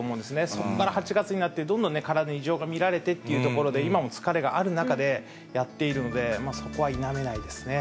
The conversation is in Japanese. そこから８月になって、どんどん体に異常が見られてっていうところで、今も疲れがある中でやっているので、そこは否めないですね。